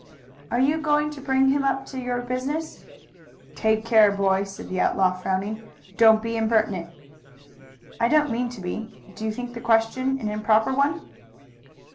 "Are you going to bring him up to your business?" "Take care, boy!" said the outlaw, frowning. "Don't be impertinent." "I don't mean to be. Do you think the question an improper one?"